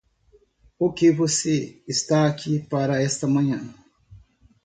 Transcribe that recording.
O que você está aqui para esta manhã?